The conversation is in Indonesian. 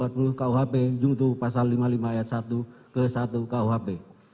juh jungtu pasal lima puluh lima ayat satu ke satu kuhp